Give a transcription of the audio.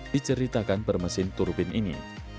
diceritakan bermesin turbin ini